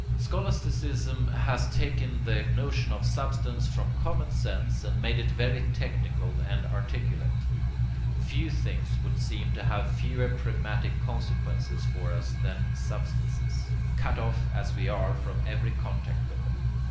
Scholasticism has taken the notion of substance from common sense and made it very technical and articulate. Few things would seem to have fewer pragmatic consequences for us than substances, cut off as we are from every contact with them.